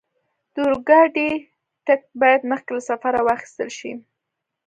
د اورګاډي ټکټ باید مخکې له سفره واخستل شي.